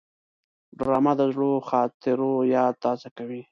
ډرامه د زړو خاطرو یاد تازه کوي